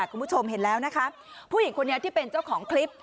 คุณผู้ชมเห็นแล้วนะคะผู้หญิงคนนี้ที่เป็นเจ้าของคลิป